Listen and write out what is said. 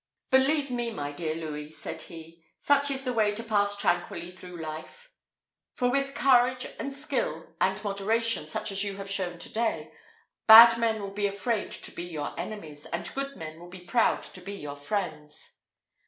"Believe me, my dear Louis," said he, "such is the way to pass tranquilly through life: for with courage, and skill, and moderation, such as you have shown to day, bad men will be afraid to be your enemies, and good men will be proud to be your friends."